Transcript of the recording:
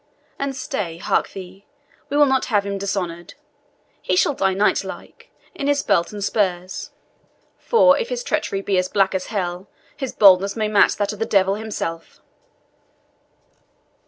And stay hark thee we will not have him dishonoured he shall die knightlike, in his belt and spurs; for if his treachery be as black as hell, his boldness may match that of the devil himself."